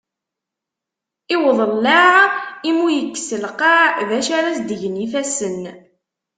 I udellaɛ i mu yekkes lqaɛ, d acu ara as-d-gen yifassen.